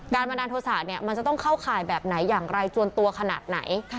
บันดาลโทษะเนี่ยมันจะต้องเข้าข่ายแบบไหนอย่างไรจวนตัวขนาดไหน